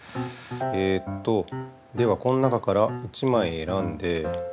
えっとではこの中から１枚えらんで。